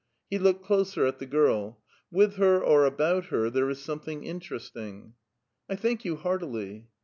He looked closer at the girl : with her or about her there is something interesting. "1 thank you heartily."